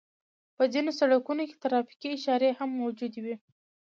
په ځينو سړکونو کې ترافيکي اشارې هم موجودې وي.